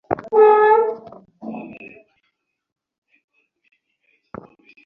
যদি কিছু জানাইবার থাকে তোমার ছেলেকে পাঠাইয়া দিয়ো।